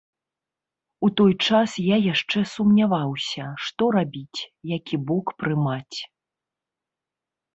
У той час я яшчэ сумняваўся, што рабіць, які бок прымаць.